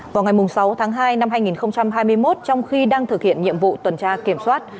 vào ngày sáu tháng hai năm hai nghìn hai mươi một trong khi đang thực hiện nhiệm vụ tuần tra kiểm soát